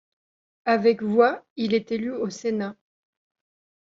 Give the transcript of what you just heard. Avec voix, il est élu au Sénat.